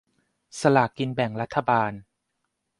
สลากกินแบ่งรัฐบาล